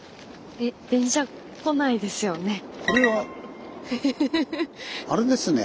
これはあれですね。